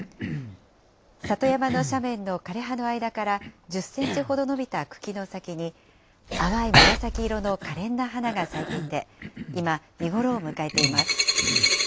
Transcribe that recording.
里山の斜面の枯れ葉の間から１０センチほど伸びた茎の先に、淡い紫色のかれんな花が咲いていて、今、見頃を迎えています。